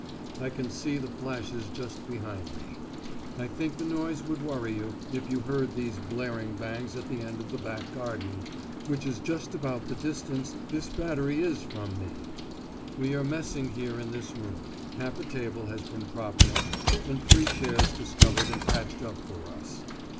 I can see the flashes just behind me. I think the noise would worry you, if you heard these blaring bangs at the end of the back garden, which is just about the distance this battery is from me! We are messing here in this room; half a table has been propped up, and three chairs discovered and patched up for us.